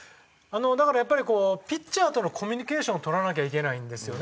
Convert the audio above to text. だからやっぱりこうピッチャーとのコミュニケーションを取らなきゃいけないんですよね。